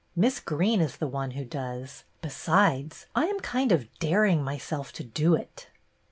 Miss Greene is the one who does. Besides, I am kind of daring myself to do it."